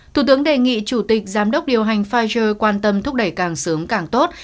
thủ tướng đề nghị chủ tịch giám đốc điều hành pfizer quan tâm thúc đẩy càng sớm càng tốt